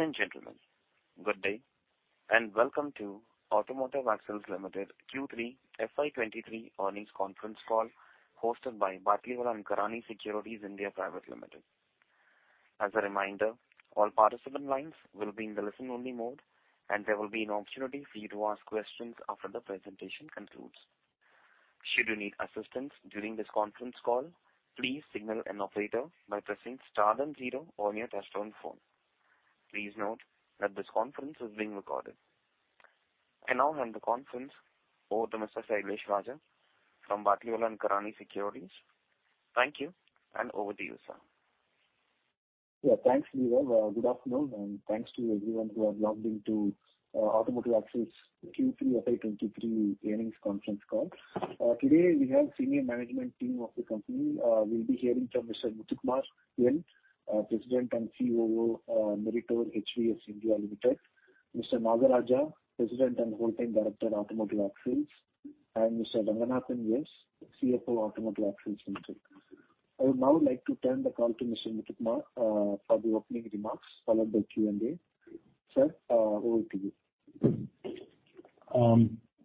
Ladies and gentlemen, good day, and welcome to Automotive Axles Limited Q3 FY 2023 earnings conference call, hosted by Batlivala & Karani Securities India Private Limited. As a reminder, all participant lines will be in the listen-only mode, and there will be an opportunity for you to ask questions after the presentation concludes. Should you need assistance during this conference call, please signal an operator by pressing star then zero on your touchtone phone. Please note that this conference is being recored. I now hand the conference over to Mr. Sailesh Raja from Batlivala & Karani Securities. Thank you, and over to you, sir. Yeah, thanks, Viva. Good afternoon, and thanks to everyone who have logged in to Automotive Axles' Q3 FY 2023 earnings conference call. Today, we have senior management team of the company. We'll be hearing from Mr. Muthukumar Vel, President and CEO, Meritor HVS India Limited. Mr. Nagaraja, President and Whole Time Director, Automotive Axles. And Mr. Ranganathan S., CFO, Automotive Axles Limited. I would now like to turn the call to Mr. Muthukumar for the opening remarks, followed by Q&A. Sir, over to you.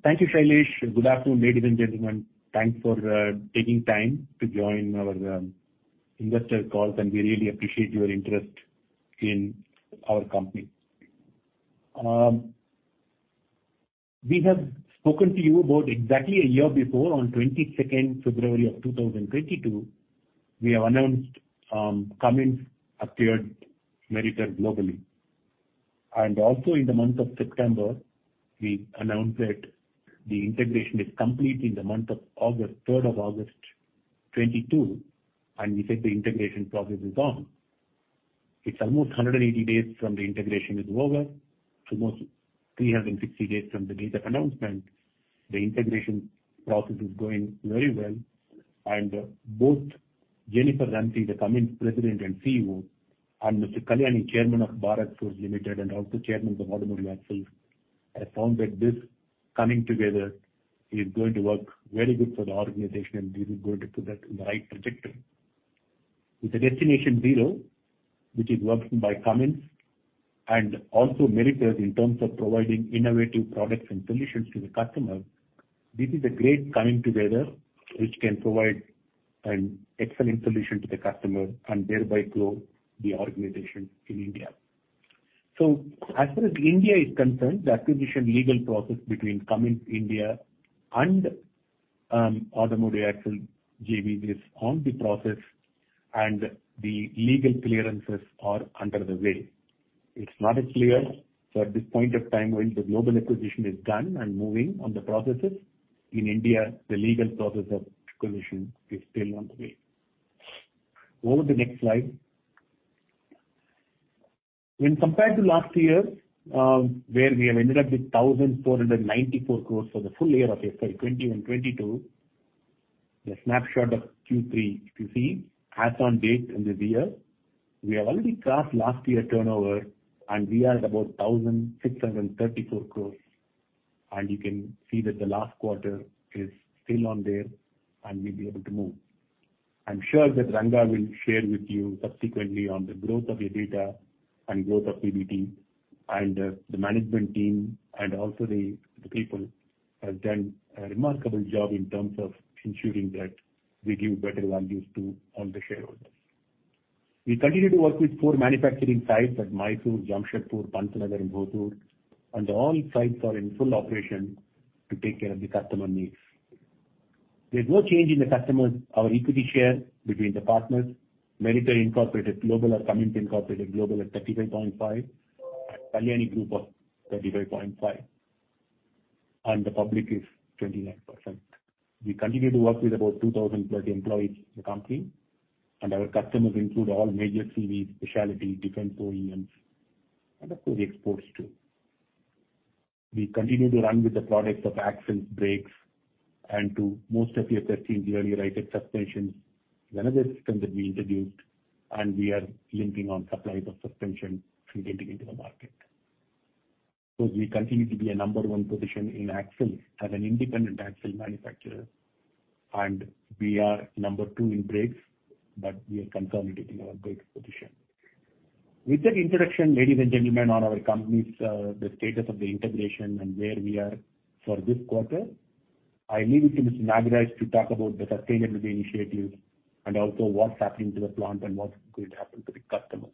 Thank you, Shailesh. Good afternoon, ladies and gentlemen. Thanks for taking time to join our investor call, and we really appreciate your interest in our company. We have spoken to you about exactly a year before, on 22 February 2022, we have announced Cummins acquired Meritor globally. And also, in the month of September, we announced that the integration is complete in the month of August, 3 August 2022, and we said the integration process is on. It's almost 180 days from the integration is over, to almost 360 days from the date of announcement. The integration process is going very well, and both Jennifer Rumsey, the Cummins President and CEO, and Mr. Kalyani, Chairman of Bharat Forge Limited and also Chairman of Automotive Axles, have found that this coming together is going to work very good for the organization, and this is going to put us in the right trajectory. With the Destination Zero, which is worked by Cummins and also Meritor, in terms of providing innovative products and solutions to the customer, this is a great coming together, which can provide an excellent solution to the customer and thereby grow the organization in India. So as far as India is concerned, the acquisition legal process between Cummins India and Automotive Axles JV is on the process, and the legal clearances are under the way. It's not as clear, so at this point of time, when the global acquisition is done and moving on the processes, in India, the legal process of acquisition is still on the way. Over to the next slide. When compared to last year, where we have ended up with 1,494 crores for the full year of FY 2022, the snapshot of Q3, if you see, as on date in this year, we have already crossed last year turnover, and we are at about 1,634 crores, and you can see that the last quarter is still on there, and we'll be able to move. I'm sure that Ranga will share with you subsequently on the growth of your data and growth of PBT. The management team and also the, the people have done a remarkable job in terms of ensuring that we give better values to all the shareholders. We continue to work with four manufacturing sites at Mysore, Jamshedpur, Pantnagar, and Ghaziabad, and all sites are in full operation to take care of the customer needs. There's no change in the customers, our equity share between the partners, Meritor, Inc. global or Cummins Inc. global at 35.5%, Kalyani Group of 35.5%, and the public is 29%. We continue to work with about 2,030 employees in the company, and our customers include all major CV, specialty, defense OEMs, and of course, we export, too. We continue to run with the products of axles, brakes, and too most of you have seen the air-ride suspensions, another system that we introduced, and we are ramping up supply of suspension and getting into the market. So we continue to be a number 1 position in axle as an independent axle manufacturer, and we are number 2 in brakes, but we are confident in our brakes position. With that introduction, ladies and gentlemen, on our company's, the status of the integration and where we are for this quarter, I leave it to Mr. Nagaraja to talk about the sustainability initiatives and also what's happening to the plant and what's going to happen to the customers.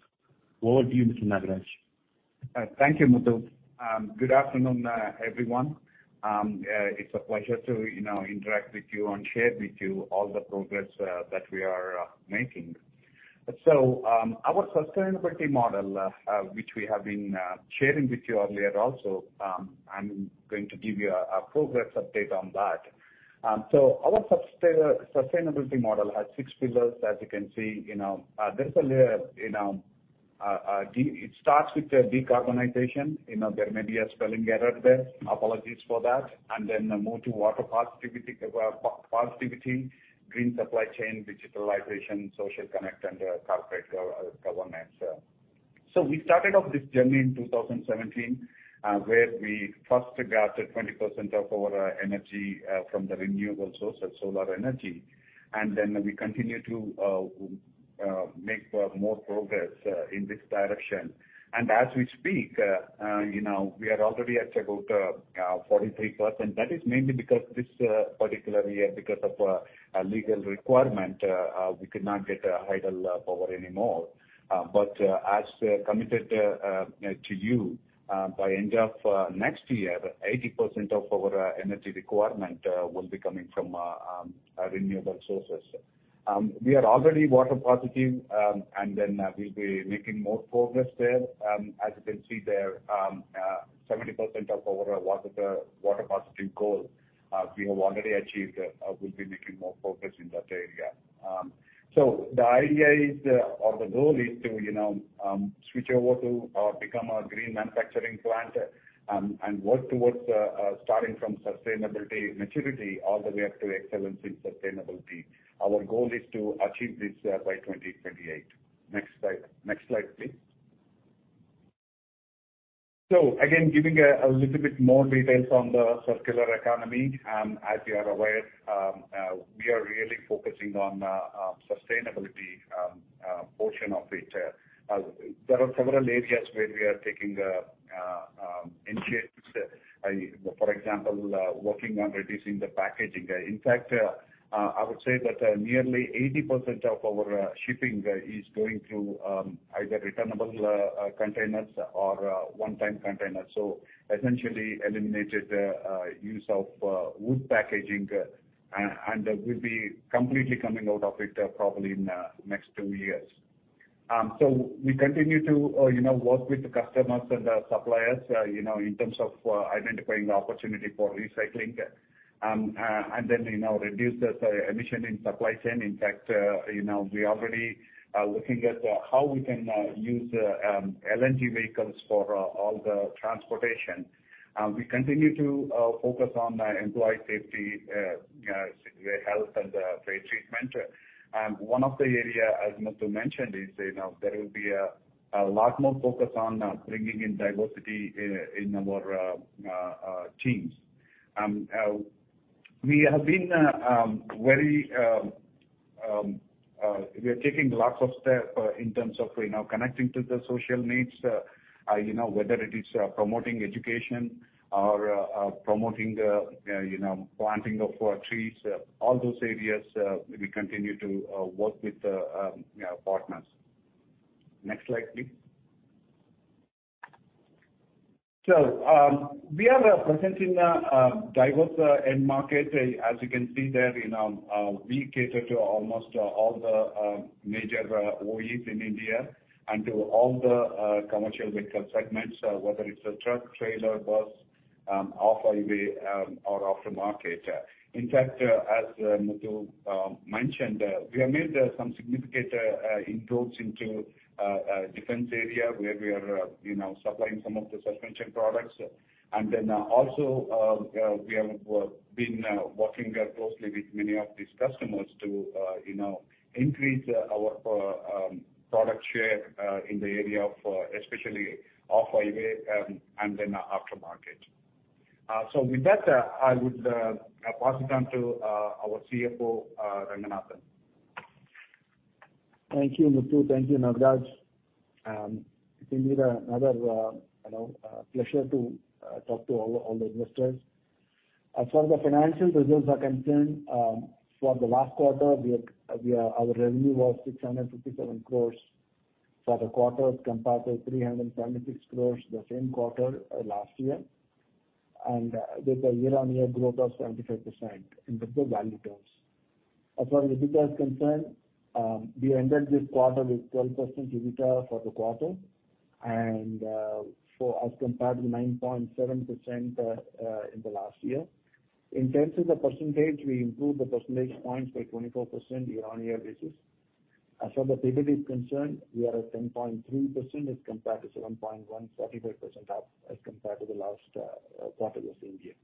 Over to you, Mr. Nagaraja. Thank you, Muthu. Good afternoon, everyone. It's a pleasure to, you know, interact with you and share with you all the progress that we are making. So, our sustainability model, which we have been sharing with you earlier also, I'm going to give you a progress update on that. So our sustainability model has six pillars, as you can see, you know. There's a layer, you know. It starts with the decarbonization, you know, there may be a spelling error there, apologies for that, and then move to water positivity, positivity, green supply chain, digitalization, social connect, and corporate governance. So we started off this journey in 2017, where we first gathered 20% of our energy from the renewable source and solar energy, and then we continued to make more progress in this direction. And as we speak, you know, we are already at about 43%. That is mainly because this particular year, because of a legal requirement, we could not get Hydel power anymore. But as committed to you, by end of next year, 80% of our energy requirement will be coming from renewable sources. We are already water positive, and then we'll be making more progress there. As you can see there, 70% of our water positive goal, we have already achieved. We'll be making more progress in that area. So the idea is, or the goal is to, you know, switch over to, become a green manufacturing plant, and work towards, starting from sustainability maturity all the way up to excellence in sustainability. Our goal is to achieve this, by 2028. Next slide. Next slide, please. So again, giving a little bit more details on the circular economy, as you are aware, we are really focusing on, sustainability portion of it. There are several areas where we are taking, initiatives. For example, working on reducing the packaging. In fact, I would say that nearly 80% of our shipping is going through either returnable containers or one-time containers. So essentially eliminated the use of wood packaging, and we'll be completely coming out of it probably in the next two years. So we continue to you know work with the customers and the suppliers you know in terms of identifying the opportunity for recycling. And then you know reduce the emission in supply chain. In fact, you know, we already are looking at how we can use LNG vehicles for all the transportation. We continue to focus on employee safety, health and fair treatment. One of the area, as Muthu mentioned, is, you know, there will be a lot more focus on bringing in diversity in our teams. We are taking lots of steps in terms of, you know, connecting to the social needs, you know, whether it is promoting education or promoting, you know, planting of trees, all those areas, we continue to work with our partners. Next slide, please. We are presenting diverse end market. As you can see there, you know, we cater to almost all the major OEs in India and to all the commercial vehicle segments, whether it's a truck, trailer, bus, off-highway, or aftermarket. In fact, as Muthu mentioned, we have made some significant inroads into defense area, where we are, you know, supplying some of the suspension products. Also, we have been working closely with many of these customers to, you know, increase our product share in the area of especially off-highway, and then aftermarket. So with that, I would pass it on to our CFO, Ranganathan. Thank you, Muthu. Thank you, Nagraj. It is another, you know, pleasure to talk to all the, all the investors. As far as the financial results are concerned, for the last quarter, our revenue was 657 crore for the quarter, compared to 376 crore the same quarter last year, and with a year-on-year growth of 75% in the value terms. As far as EBITDA is concerned, we ended this quarter with 12% EBITDA for the quarter, and, for as compared to 9.7%, in the last year. In terms of the percentage, we improved the percentage points by 24% year-on-year basis. As far as the PBT is concerned, we are at 10.3% as compared to 7.1, 35% up as compared to the last quarter of the same year.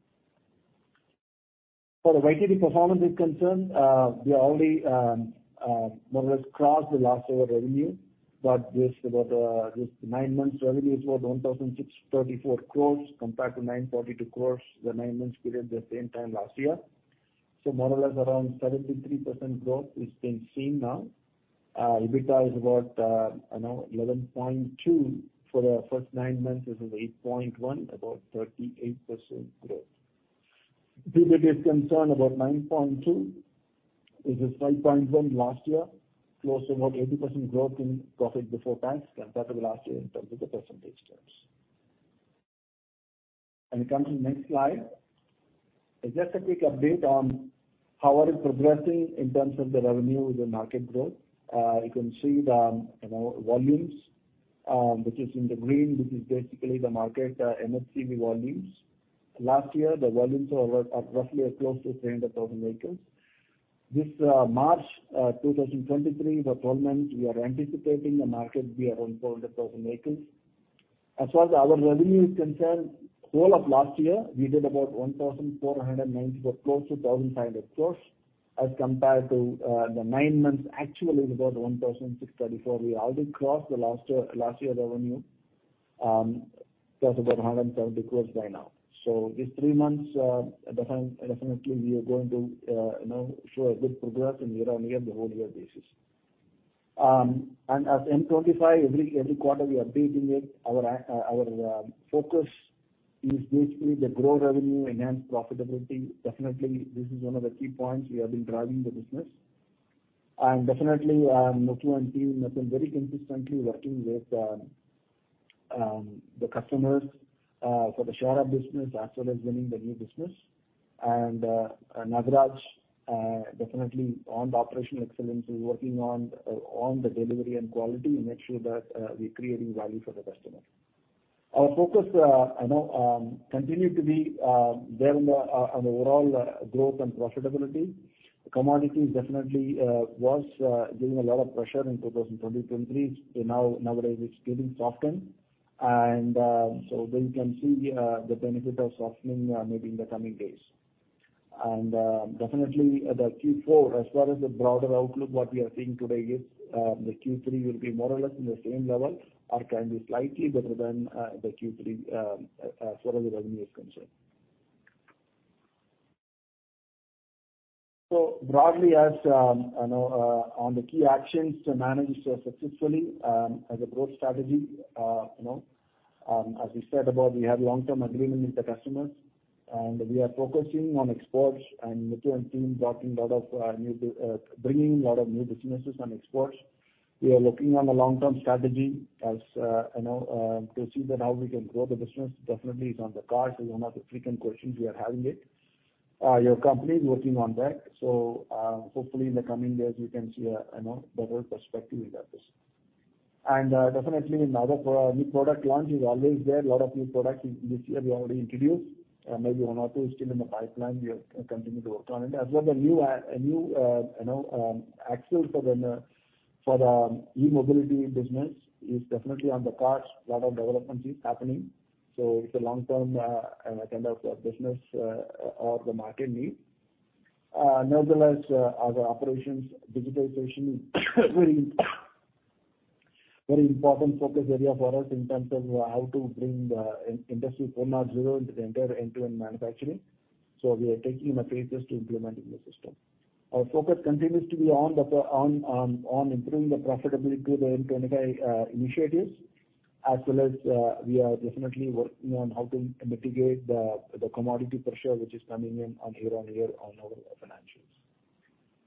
For the YTD performance is concerned, we are already more or less crossed the last year revenue, but this about this nine months revenue is about 1,634 crore compared to 942 crore, the nine months period, the same time last year. So more or less around 73% growth is being seen now. EBITDA is about, you know, 11.2. For the first nine months, this is 8.1, about 38% growth. PBT is concerned about 9.2, which is 5.1 last year, close to about 80% growth in profit before tax compared to the last year in terms of the percentage terms. We come to the next slide. Just a quick update on how are we progressing in terms of the revenue with the market growth. You can see the, you know, volumes, which is in the green, which is basically the market, MHCV volumes. Last year, the volumes are roughly close to 300,000 axles. This March 2023, the total means we are anticipating the market be around 400,000 axles. As far as our revenue is concerned, whole of last year, we did about 1,490 crores, but close to 1,500 crores, as compared to the nine months, actually is about 1,634 crores. We already crossed the last year, last year revenue plus about 170 crores by now. So these three months, definitely, definitely we are going to, you know, show a good progress in year-on-year, the whole year basis. And as M2025, every, every quarter we are beating it. Our focus is basically to grow revenue, enhance profitability. Definitely, this is one of the key points we have been driving the business. And definitely, Muthu and team have been very consistently working with, the customers, for the share of business as well as winning the new business. And, Nagaraja, definitely on the operational excellence, is working on, on the delivery and quality to make sure that, we're creating value for the customer. Our focus, I know, continue to be, there on the, on the overall, growth and profitability. Commodity definitely was giving a lot of pressure in 2020-2023. So nowadays, it's getting softened, and, so we can see, the benefit of softening, maybe in the coming days. Definitely, the Q4, as far as the broader outlook, what we are seeing today is the Q3 will be more or less in the same level or can be slightly better than the Q3, as far as the revenue is concerned. So broadly, as I know, on the key actions to manage successfully, as a growth strategy, you know, as we said about we have long-term agreement with the customers, and we are focusing on exports and Muthu and team working a lot of bringing a lot of new businesses and exports. We are looking on a long-term strategy as you know, to see that how we can grow the business definitely is on the cards, is one of the frequent questions we are having it. Your company is working on that, so, hopefully, in the coming years, we can see a, you know, better perspective in that business. And, definitely another new product launch is always there. A lot of new products this year we already introduced, maybe 1 or 2 is still in the pipeline. We are continuing to work on it. As well, a new, you know, axle for the e-mobility business is definitely on the cards. A lot of development is happening, so it's a long-term kind of business or the market need. Nevertheless, our operations digitalization, very, very important focus area for us in terms of how to bring the Industry 4.0 into the entire end-to-end manufacturing. So we are taking measures to implement in the system. Our focus continues to be on improving the profitability of the M2025 initiatives, as well as, we are definitely working on how to mitigate the commodity pressure, which is coming in on year-on-year on our financials.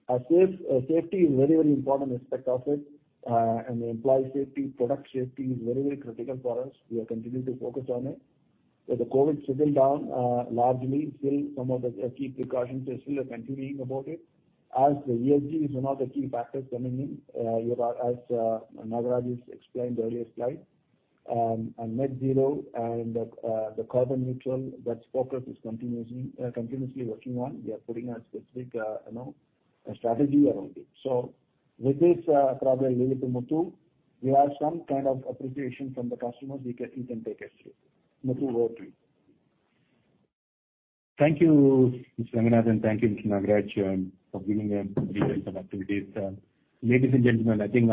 Our safety is very, very important aspect of it, and the employee safety, product safety is very, very critical for us. We are continuing to focus on it. As the COVID settle down, largely still some of the key precautions are still continuing about it, as the ESG is one of the key factors coming in, as Nagaraja explained earlier slide. And net zero and the carbon neutral, that focus is continuously working on. We are putting a specific, you know, a strategy around it. So with this, probably I leave to Muthu. We have some kind of appreciation from the customers he can, he can take us through. Muthu, over to you. Thank you, Ranganathan. Thank you, Mr. Nagaraja, for giving a brief of activities. Ladies and gentlemen, I think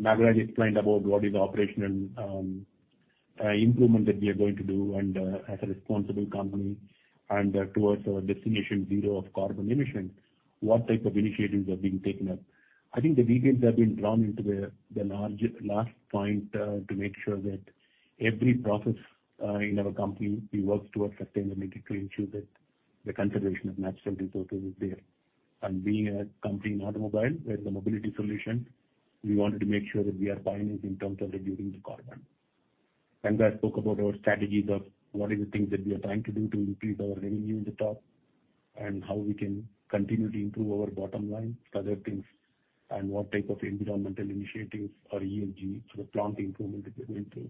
Nagaraja explained about what is the operational improvement that we are going to do and, as a responsible company and towards our Destination Zero of carbon emission, what type of initiatives are being taken up. I think the details have been drawn into the large last point to make sure that every process in our company, we work towards sustainability to ensure that the conservation of natural resources is there. And being a company in automobile, we are the mobility solution, we wanted to make sure that we are pioneers in terms of reducing the carbon. I spoke about our strategies of what are the things that we are trying to do to increase our revenue in the top, and how we can continue to improve our bottom line, other things, and what type of environmental initiatives or ESG, so the plant improvement that we went through.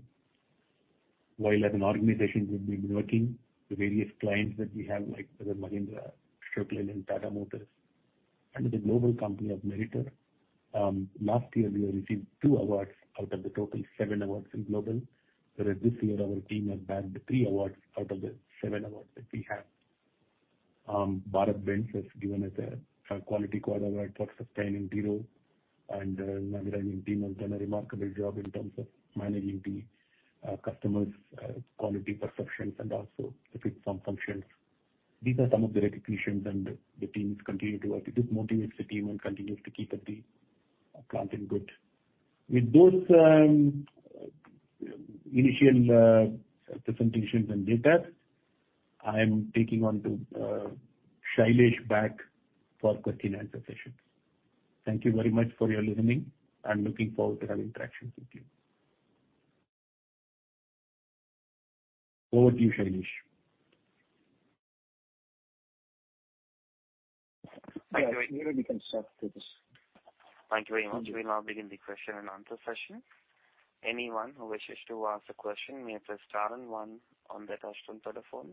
While as an organization, we've been working with various clients that we have, like the Mahindra, Daimler, and Tata Motors, and the global company of Meritor. Last year, we have received 2 awards out of the total 7 awards in global. Whereas this year, our team has bagged 3 awards out of the seven awards that we have. BharatBenz has given us a Quality Gold Award for sustaining zero, and Nagaraja and team have done a remarkable job in terms of managing the customers quality perceptions and also to fix some functions. These are some of the recognitions, and the teams continue to work. It just motivates the team and continues to keep up the plant in good. With those initial presentations and data, I am taking on to Shailesh back for question and answer session. Thank you very much for your listening. I'm looking forward to having interactions with you. Over to you, Shailesh. Hi, we will be concerned with this. Thank you very much. We now begin the question and answer session. Anyone who wishes to ask a question may press star and one on their touchtone telephone.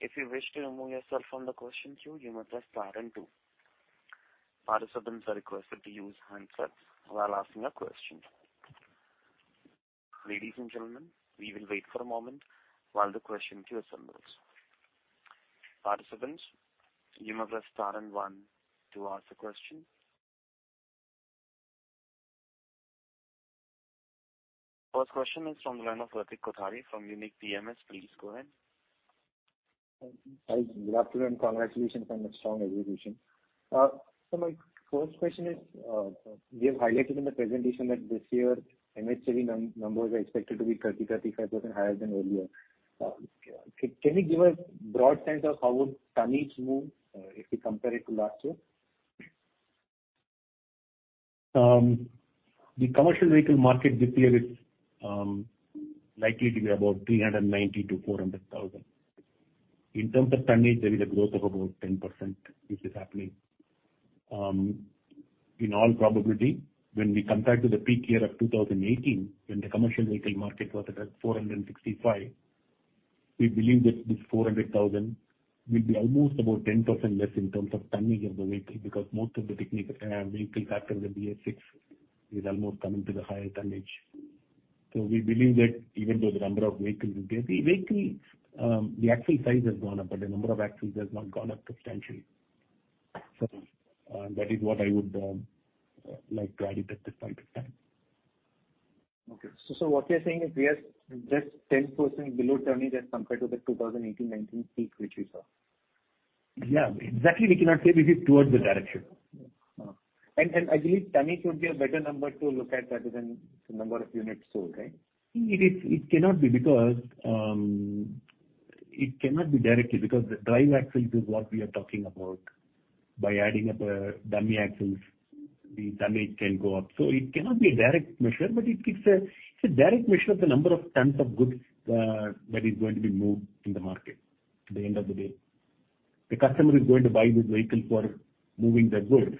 If you wish to remove yourself from the question queue, you may press star and two. Participants are requested to use handsets while asking a question. Ladies and gentlemen, we will wait for a moment while the question queue assembles. Participants, you may press star and one to ask a question... First question is from the line of Pratik Kothari from Unique PMS. Please go ahead. Hi, good afternoon. Congratulations on the strong execution. So my first question is, you have highlighted in the presentation that this year, MHE numbers are expected to be 30%-35% higher than earlier. Can you give a broad sense of how would tonnage move, if we compare it to last year? The commercial vehicle market this year is likely to be about 390,000-400,000. In terms of tonnage, there is a growth of about 10%, which is happening. In all probability, when we compare to the peak year of 2018, when the commercial vehicle market was at 465,000, we believe that this 400,000 will be almost about 10% less in terms of tonnage of the vehicle, because most of the technical vehicle factor, the BS6, is almost coming to the higher tonnage. So we believe that even though the number of vehicles will be... The vehicle, the axle size has gone up, but the number of axles has not gone up substantially. So, that is what I would like to add at this point in time. Okay. So, what you're saying is, we are just 10% below tonnage as compared to the 2018, 2019 peak, which we saw? Yeah. Exactly, we cannot say, but it's towards the direction. I believe tonnage would be a better number to look at rather than the number of units sold, right? It cannot be, because it cannot be directly, because the drive axle is what we are talking about. By adding up the dummy axles, the tonnage can go up. So it cannot be a direct measure, but it, it's a, it's a direct measure of the number of tons of goods that is going to be moved in the market at the end of the day. The customer is going to buy this vehicle for moving the goods.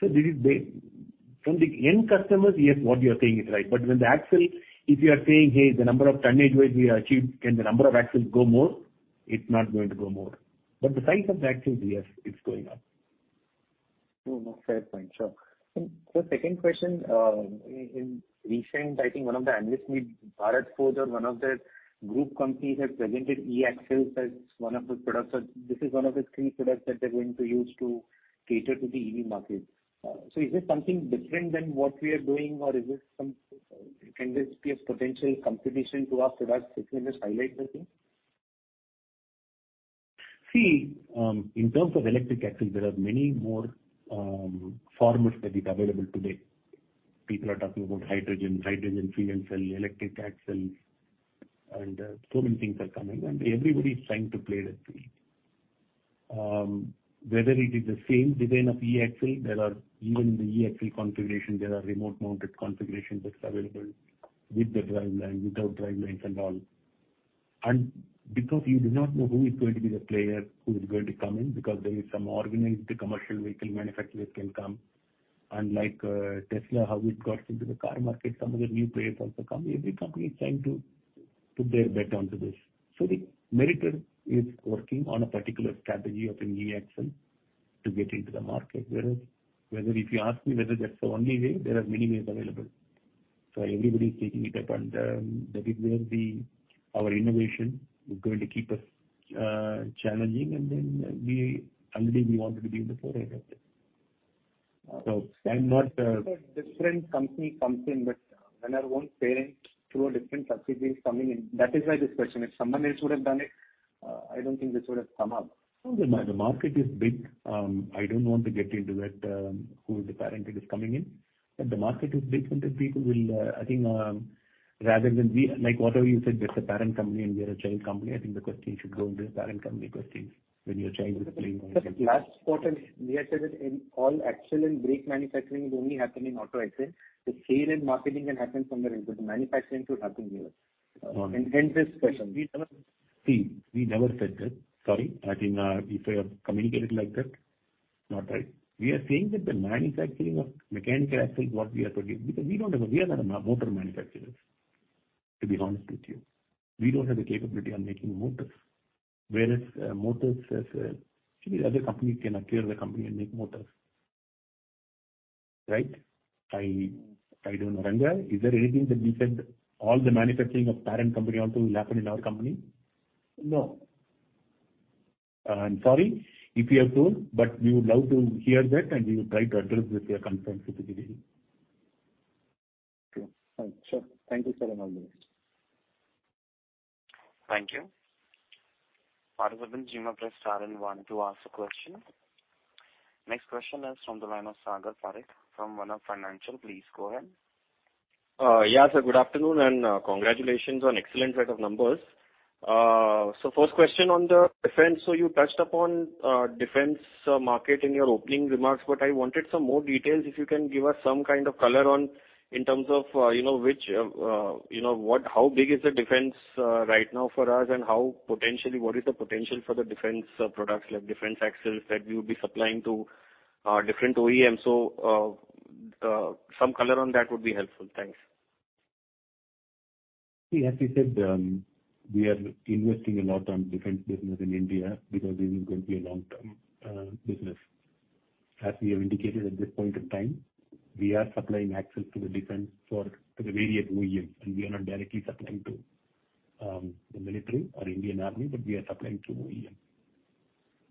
So this is the... From the end customers, yes, what you are saying is right. But when the axle, if you are saying, "Hey, the number of tonnage which we achieved, can the number of axles go more?" It's not going to go more. But the size of the axle, yes, it's going up. No, no, fair point. Sure. So second question. In recent, I think one of the analysts meet, Bharat Forge or one of their group companies, has presented E-axles as one of the products. So this is one of the key products that they're going to use to cater to the EV market. So is this something different than what we are doing, or is this some, can this be a potential competition to our product? Could you just highlight the thing? See, in terms of electric axles, there are many more formats that is available today. People are talking about hydrogen, hydrogen fuel cell, electric axles, and so many things are coming, and everybody is trying to play that field. Whether it is the same design of e-axle, there are even the e-axle configuration, there are remote-mounted configurations that's available with the driveline, without drivelines and all. And because you do not know who is going to be the player, who is going to come in, because there is some organized commercial vehicle manufacturer can come, and like, Tesla, how it got into the car market, some of the new players also come. Every company is trying to put their bet onto this. So the Meritor is working on a particular strategy of an e-axle to get into the market. Whereas, whether if you ask me whether that's the only way, there are many ways available. So everybody is taking it up, and that is where the our innovation is going to keep us challenging, and then we already we want to be in the forefront of it. So I'm not A different company comes in, but when our own parent through a different subsidiary is coming in, that is why this question. If someone else would have done it, I don't think this would have come up. No, the market is big. I don't want to get into that, who is the parent that is coming in, but the market is big, and the people will... I think, rather than like, whatever you said, there's a parent company and we are a child company, I think the question should go into the parent company questions when your child is playing on the field. Sir, last part, and we had said that all axle and brake manufacturing is only happening in Automotive Axles. The sales and marketing can happen from there, but the manufacturing should happen here. Uh. Hence this question. We never- See, we never said that. Sorry. I think, if I have communicated like that, not right. We are saying that the manufacturing of mechanical axle, what we are producing, because we don't have, we are not a motor manufacturers, to be honest with you. We don't have the capability on making motors. Whereas, motors as, maybe other companies can acquire the company and make motors. Right? I, I don't... Ranga, is there anything that we said all the manufacturing of parent company also will happen in our company? No. I'm sorry if you have told, but we would love to hear that, and we will try to address if we are concerned with it. Okay. Sure. Thank you, sir, and all the best. Thank you. Participants, press star one to ask a question. Next question is from the line of Sagar Parekh from OneUp Financial. Please go ahead. Yeah, sir, good afternoon, and congratulations on excellent set of numbers. So first question on the defense: So you touched upon defense market in your opening remarks, but I wanted some more details, if you can give us some kind of color on, in terms of, you know, which, you know, what- how big is the defense right now for us? And how, potentially, what is the potential for the defense products, like defense axles, that you would be supplying to different OEMs? So some color on that would be helpful. Thanks. Yeah, as we said, we are investing a lot on defense business in India, because this is going to be a long-term business. As we have indicated at this point in time, we are supplying axles to the defense to the various OEMs, and we are not directly supplying to the military or Indian Army, but we are supplying to OEMs.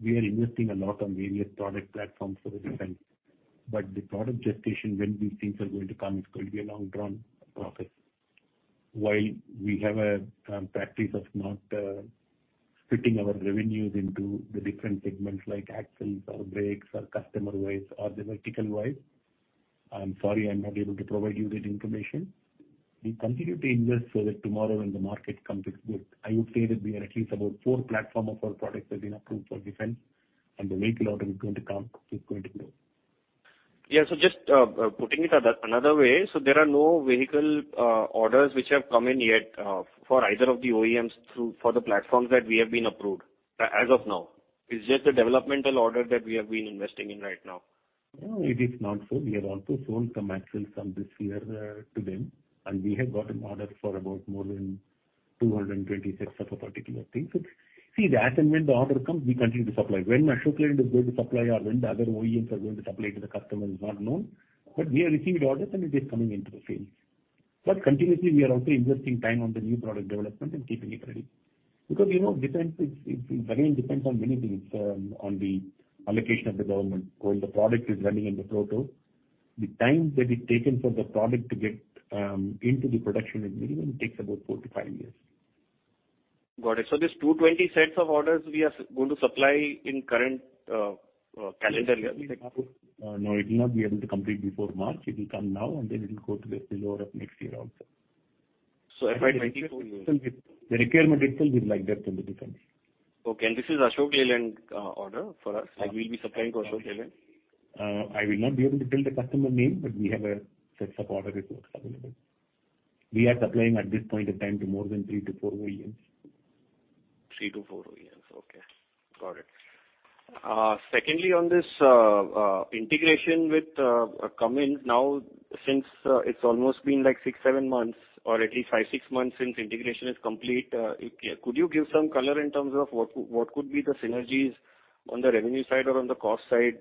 We are investing a lot on various product platforms for the defense. But the product gestation, when these things are going to come, it's going to be a long drawn process. While we have a practice of not fitting our revenues into the different segments, like axles or brakes or customer-wise or the vertical-wise, I'm sorry, I'm not able to provide you that information. We continue to invest so that tomorrow when the market comes, it's good. I would say that we are at least about 4 platforms of our products have been approved for defense, and the vehicle order is going to come, it's going to grow. Yeah, so just putting it another way, so there are no vehicle orders which have come in yet, for either of the OEMs through, for the platforms that we have been approved, as of now? It's just a developmental order that we have been investing in right now. No, it is not so. We have also sold some axles from this year to them, and we have gotten orders for about more than 220 sets of a particular thing. So see, as and when the order comes, we continue to supply. When Ashok Leyland is going to supply or when the other OEMs are going to supply to the customer is not known, but we have received orders, and it is coming into the phase. But continuously, we are also investing time on the new product development and keeping it ready. Because, you know, defense, it's, it, again, depends on many things on the allocation of the government. When the product is running in the proto, the time that is taken for the product to get into the production is minimum, takes about 4-5-years. Got it. So this 220 sets of orders we are going to supply in current calendar year? No, it will not be able to complete before March. It will come now, and then it will go to the latter half of next year also. So by 2024- The requirement itself is like that in the defense. Okay, and this is Ashok Leyland order for us, like we'll be supplying for Ashok Leyland? I will not be able to tell the customer name, but we have a sets of order which works for them. We are supplying at this point in time to more than 3-4 OEMs. 3-4 OEMs, okay. Got it. Secondly, on this, integration with, Cummins now, since, it's almost been like 6-7 months, or at least 5-6 months since integration is complete, could you give some color in terms of what could, what could be the synergies on the revenue side or on the cost side,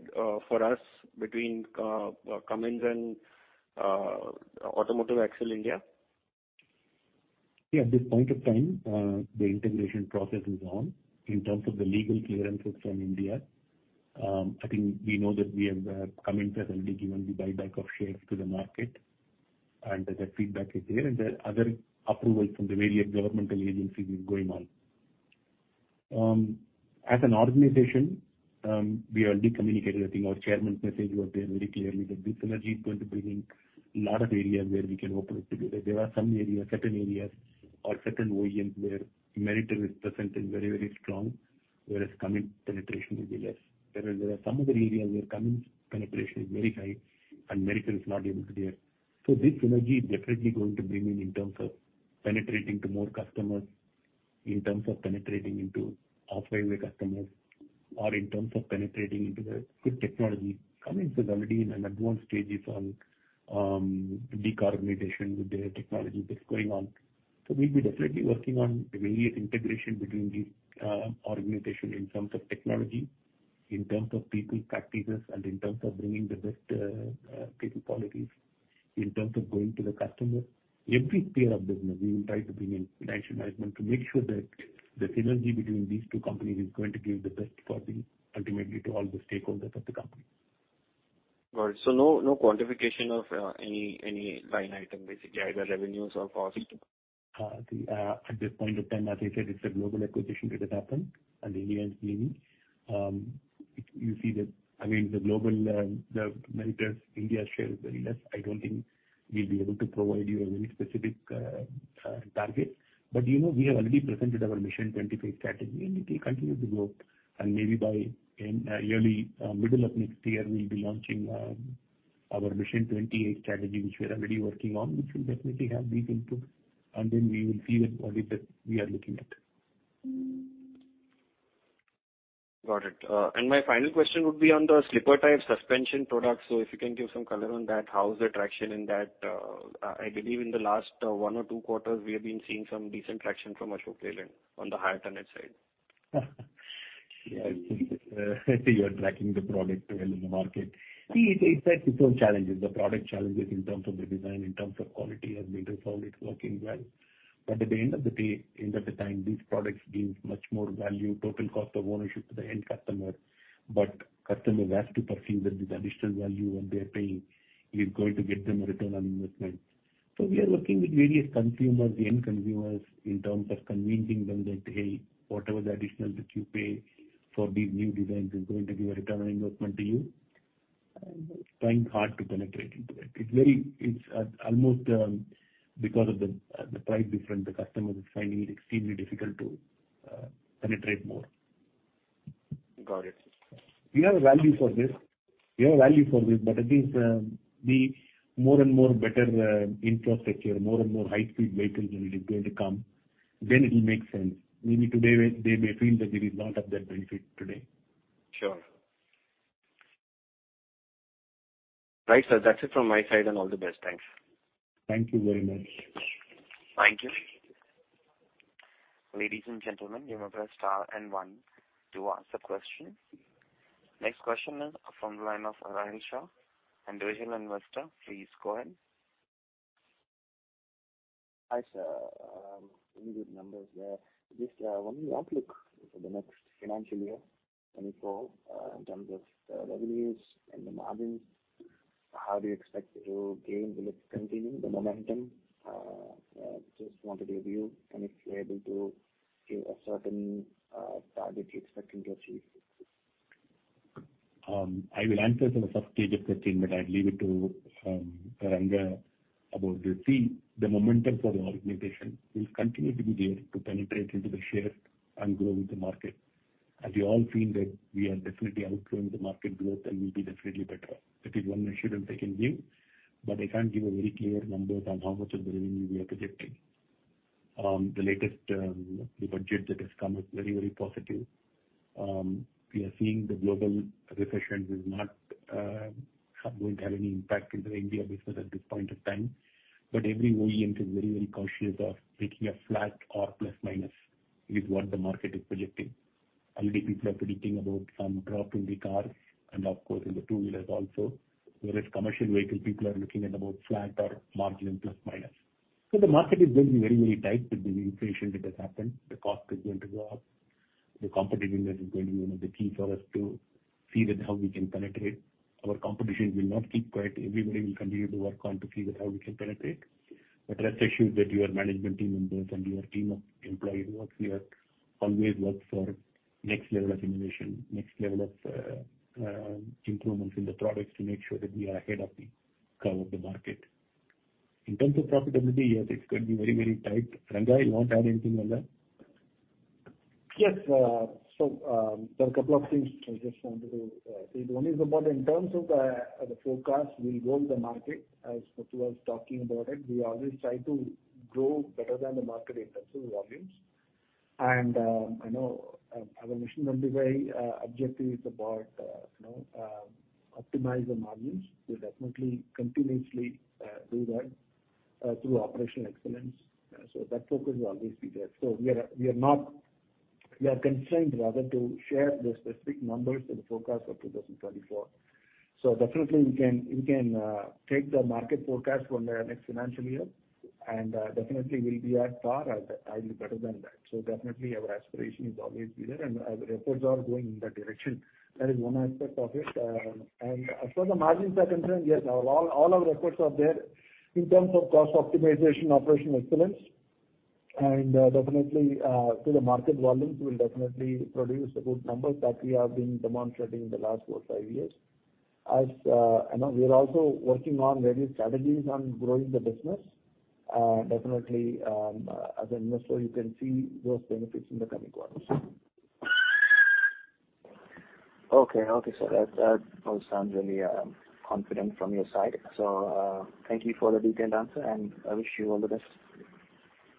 for us between, Cummins and, Automotive Axles Limited? Yeah, at this point in time, the integration process is on. In terms of the legal clearances from India, I think we know that we have, Cummins has already given the buyback of shares to the market, and the feedback is there, and there are other approvals from the various governmental agencies is going on. As an organization, we already communicated, I think our chairman's message was there very clearly, that this energy is going to bring in lot of areas where we can operate together. There are some areas, certain areas or certain OEMs, where Meritor is present and very, very strong, whereas Cummins penetration will be less. There are, there are some other areas where Cummins penetration is very high and Meritor is not able to there. So this synergy is definitely going to bring in, in terms of penetrating to more customers, in terms of penetrating into operating the customers, or in terms of penetrating into the good technology. Cummins is already in an advanced stages on decarbonization with their technology that's going on. So we'll be definitely working on the various integration between these organization in terms of technology, in terms of people practices, and in terms of bringing the best people qualities, in terms of going to the customer. Every sphere of business, we will try to bring in rational management to make sure that the synergy between these two companies is going to give the best for the, ultimately, to all the stakeholders of the company. Got it. So no, no quantification of, any, any line item, basically, either revenues or costs? At this point in time, as I said, it's a global acquisition that has happened, and India is meaning, you see that, I mean, the global, the Meritor's India share is very less. I don't think we'll be able to provide you a very specific target. But, you know, we have already presented our Mission 28 strategy, and it will continue to grow. And maybe by in early, middle of next year, we'll be launching our Mission 28 strategy, which we are already working on, which will definitely have these inputs, and then we will see what it is we are looking at. Got it. And my final question would be on the slipper-type suspension products. So if you can give some color on that, how is the traction in that? I believe in the last one or two quarters, we have been seeing some decent traction from Ashok Leyland on the higher tonnage side. Yeah, I think, I see you are tracking the product well in the market. See, it has its own challenges, the product challenges in terms of the design, in terms of quality, as Meritor found it working well. But at the end of the day, end of the time, these products give much more value, total cost of ownership to the end customer. But customers have to perceive that this additional value what they are paying is going to get them a return on investment. So we are working with various consumers, the end consumers, in terms of convincing them that, "Hey, whatever the additional that you pay for these new designs is going to give a return on investment to you." And trying hard to penetrate into it. It's very almost because of the price difference, the customers are finding it extremely difficult to penetrate more. Got it. We have a value for this. We have a value for this, but at least, the more and more better infrastructure, more and more high-speed vehicles is going to come, then it will make sense. Maybe today they may feel that there is not of that benefit today. Sure. Right, sir. That's it from my side, and all the best. Thanks. Thank you very much. Thank you. Ladies and gentlemen, you may press star and one to ask a question. Next question is from the line of Rahul Shah, individual investor. Please go ahead.... I see, really good numbers there. Just, one outlook for the next financial year, 2024, in terms of, revenues and the margins, how do you expect to gain? Will it continue, the momentum? Just wanted a view, and if you're able to give a certain, target you're expecting to achieve. I will answer the first stage of the question, but I'll leave it to Ranga, about the... See, the momentum for the organization will continue to be there, to penetrate into the shares and grow with the market. As you all seen that we are definitely outgrowing the market growth and will be definitely better off. That is one measure that I can give, but I can't give a very clear numbers on how much of the revenue we are projecting. The latest, the budget that has come is very, very positive. We are seeing the global recession is not won't have any impact in the India business at this point of time. But every OEM is very, very cautious of taking a flat or plus/minus, is what the market is projecting. Already people are predicting about some drop in the cars and, of course, in the two-wheelers also. Whereas commercial vehicle, people are looking at about flat or margin plus/minus. So the market is going to be very, very tight with the inflation that has happened, the cost is going to go up. The competitiveness is going to be one of the key for us to see that how we can penetrate. Our competition will not keep quiet. Everybody will continue to work on to see that how we can penetrate. But rest assured that your management team members and your team of employees who work here always work for next level of innovation, next level of improvements in the products to make sure that we are ahead of the curve of the market. In terms of profitability, yes, it's going to be very, very tight. Ranga, you want to add anything on that? Yes, there are a couple of things I just want to say. One is about in terms of the forecast, we'll grow the market. As Matu was talking about it, we always try to grow better than the market in terms of volumes. And I know our mission will be very objective is about you know optimize the margins. We definitely continuously do that through operational excellence. That focus will always be there. We are, we are not - we are constrained, rather, to share the specific numbers in the forecast for 2024. Definitely we can, we can take the market forecast for the next financial year, and definitely we'll be at par, at, highly better than that. So definitely our aspiration is always be there, and our efforts are going in that direction. That is one aspect of it. And as far as the margins are concerned, yes, all, all our efforts are there in terms of cost optimization, operational excellence, and definitely to the market volumes, we'll definitely produce a good number that we have been demonstrating in the last 4-5 years. As I know we are also working on various strategies on growing the business. Definitely, as an investor, you can see those benefits in the coming quarters. Okay. Okay, so that, that all sounds really confident from your side. So, thank you for the detailed answer, and I wish you all the best.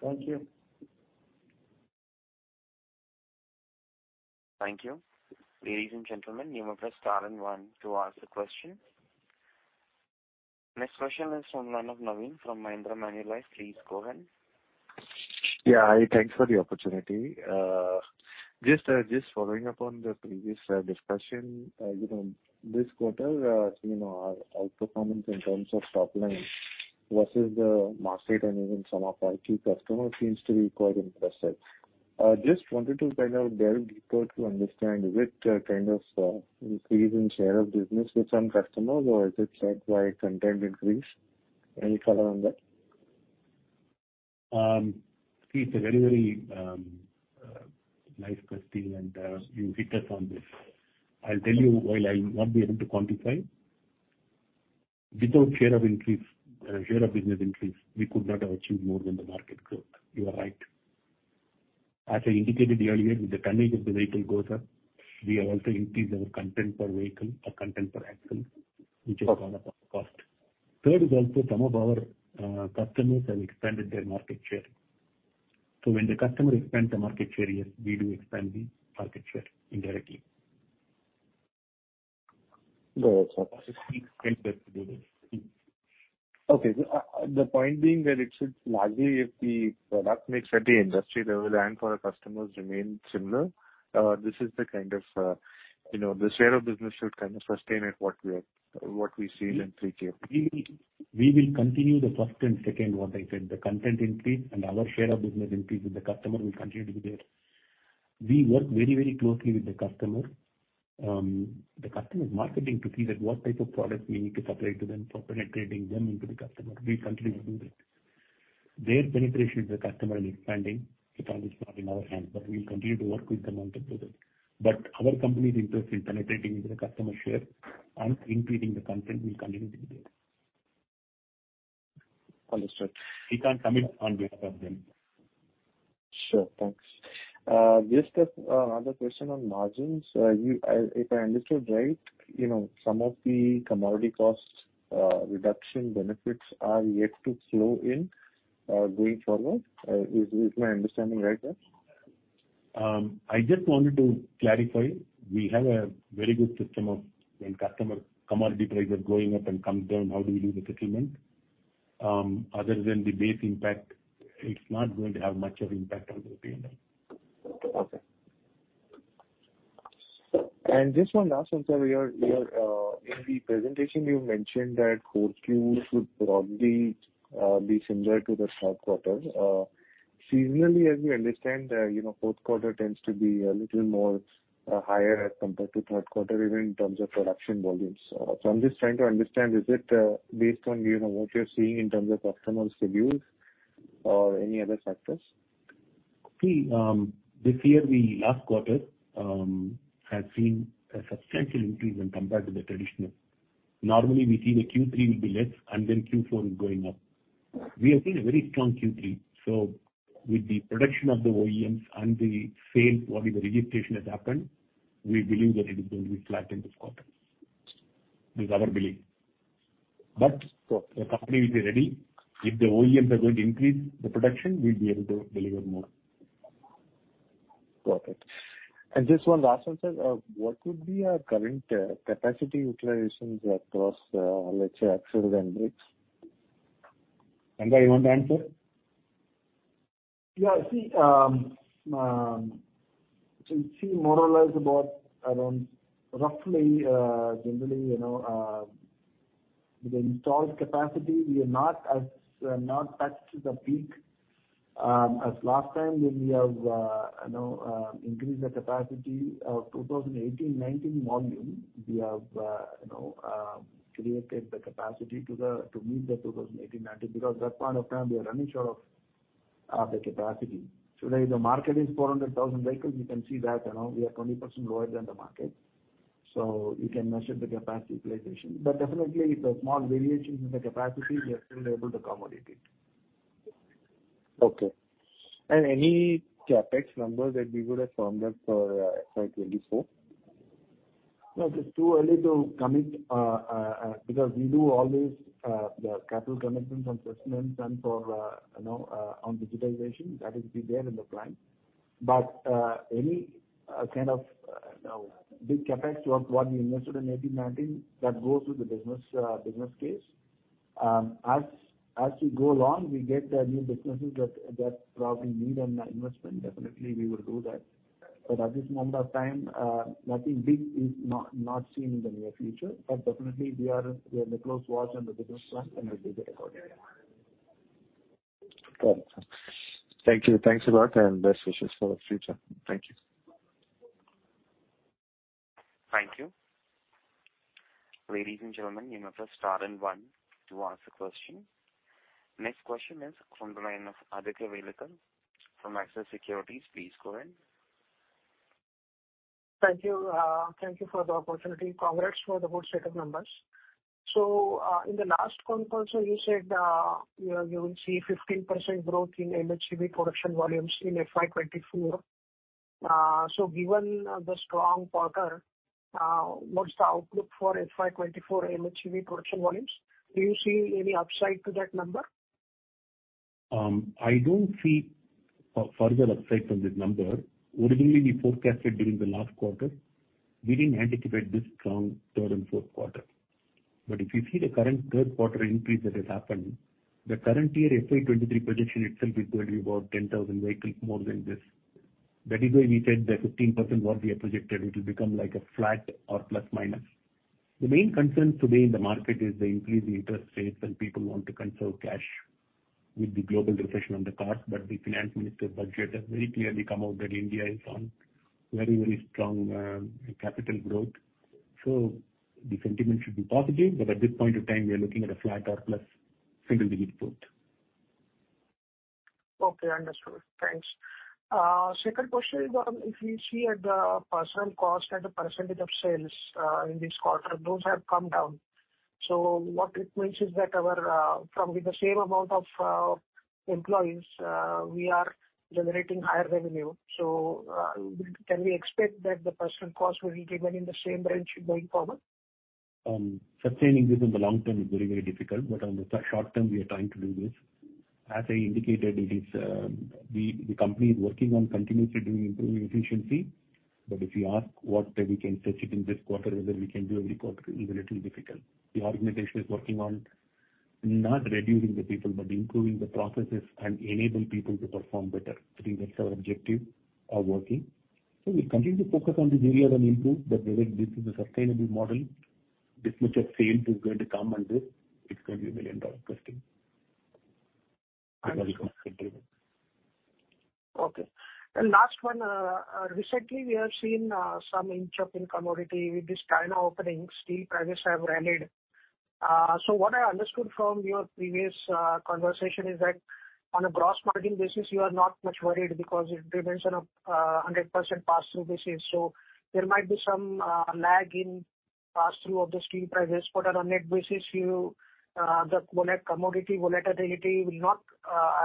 Thank you. Thank you. Ladies and gentlemen, you may press star and one to ask a question. Next question is from Manav Naveen from Mahindra Manulife. Please go ahead. Yeah, hi, thanks for the opportunity. Just, just following up on the previous discussion. You know, this quarter, you know, our outperformance in terms of top line versus the market and even some of our key customers seems to be quite impressive. Just wanted to kind of delve deeper to understand which, kind of, increase in share of business with some customers, or is it led by content increase? Any color on that? It's a very, very, nice question, and, you hit us on this. I'll tell you, while I won't be able to quantify, without share of increase, share of business increase, we could not have achieved more than the market growth. You are right. As I indicated earlier, with the tonnage of the vehicle goes up, we have also increased our content per vehicle or content per axle, which is one of our cost. Third is also some of our, customers have expanded their market share. So when the customer expands the market share, yes, we do expand the market share indirectly. Got it, sir. Okay. So, the point being that it should largely, if the product mix at the industry level and for our customers remain similar, this is the kind of, you know, the share of business should kind of sustain at what we are - what we see in 3Q. We will, we will continue the first and second, what I said, the content increase and our share of business increase with the customer will continue to be there. We work very, very closely with the customer. The customer's marketing to see that what type of products we need to supply to them for penetrating them into the customer. We continue to do that. Their penetration with the customer is expanding, the time is not in our hands, but we will continue to work with them on the project. But our company's interest in penetrating into the customer share and increasing the content will continue to be there. Understood. We can't commit on behalf of them. Sure, thanks. Just another question on margins. If I understood right, you know, some of the commodity cost reduction benefits are yet to flow in going forward. Is my understanding right there? I just wanted to clarify. We have a very good system of when customer commodity prices going up and comes down, how do we do the settlement? Other than the base impact, it's not going to have much of an impact on the P&L. Okay. And just one last one, sir. In the presentation, you mentioned that fourth Q should probably be similar to the third quarter. Seasonally, as we understand, you know, fourth quarter tends to be a little more higher as compared to third quarter, even in terms of production volumes. So I'm just trying to understand, is it based on, you know, what you're seeing in terms of optimal schedules or any other factors? See, this year, the last quarter, has seen a substantial increase when compared to the traditional. Normally, we see the Q3 will be less, and then Q4 is going up. We have seen a very strong Q3, so with the production of the OEMs and the sales, what is the registration that happened, we believe that it is going to be flat in this quarter. This is our belief. But the company will be ready. If the OEMs are going to increase the production, we'll be able to deliver more. Perfect. And just one last one, sir. What would be our current capacity utilizations across, let's say, axles and brakes? Nanda, you want to answer? Yeah, see, so we see more or less about around roughly, generally, you know, the installed capacity, we are not as, not touched the peak, as last time when we have, you know, increased the capacity of 2018, 2019 volume. We have, you know, created the capacity to the, to meet the 2018, 2019, because that point of time, we are running short of, the capacity. Today, the market is 400,000 vehicles. You can see that, you know, we are 20% lower than the market, so you can measure the capacity utilization. But definitely, if a small variation in the capacity, we are still able to accommodate it. Okay. And any CapEx numbers that we would have formed up for FY 2024? No, it's too early to commit, because we do always the capital commitments on systems and for, you know, on digitization, that will be there in the plan. But any kind of, you know, big CapEx of what we invested in 2018, 2019, that goes with the business business case. As we go along, we get the new businesses that probably need an investment, definitely we will do that. But at this moment of time, nothing big is not seen in the near future. But definitely, we are in a close watch on the business plan, and we'll do it accordingly. Got it. Thank you. Thanks a lot, and best wishes for the future. Thank you. Thank you. Ladies and gentlemen, you may press star and one to ask a question. Next question is from the line of Aditya Welekar from Axis Securities. Please go ahead. Thank you. Thank you for the opportunity. Congrats for the good set of numbers. So, in the last conf also, you said, you know, you will see 15% growth in MHEV production volumes in FY 2024. So given the strong quarter, what's the outlook for FY 2024 MHEV production volumes? Do you see any upside to that number? I don't see a further upside from this number. Originally, we forecasted during the last quarter, we didn't anticipate this strong third and fourth quarter. But if you see the current third quarter increase that has happened, the current year FY 2023 prediction itself is going to be about 10,000 vehicles more than this. That is why we said the 15% what we have projected, it will become like a flat or plus minus. The main concern today in the market is the increase in interest rates, and people want to conserve cash with the global recession on the cost. But the finance minister budget has very clearly come out that India is on very, very strong capital growth. So the sentiment should be positive, but at this point in time, we are looking at a flat or plus single-digit growth. Okay, understood. Thanks. Second question is, if you see at the personnel cost as a percentage of sales, in this quarter, those have come down. So what it means is that our, from with the same amount of, employees, we are generating higher revenue. So, can we expect that the personnel costs will be given in the same range going forward? Sustaining this in the long term is very, very difficult, but on the short term, we are trying to do this. As I indicated, it is, the company is working on continuously doing improving efficiency. But if you ask what we can achieve in this quarter, whether we can do every quarter is a little difficult. The organization is working on not reducing the people, but improving the processes and enabling people to perform better. I think that's our objective of working. So we continue to focus on this area and improve, but whether this is a sustainable model, this much of sales is going to come and this, it's going to be a million-dollar question. Okay. And last one, recently, we have seen some inching up in commodity. With this China opening, steel prices have rallied. So what I understood from your previous conversation is that on a gross margin basis, you are not much worried because it depends on a hundred percent pass-through basis. So there might be some lag in pass-through of the steel prices, but on a net basis, you, the commodity volatility will not